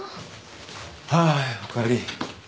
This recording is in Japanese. はーいおかえり。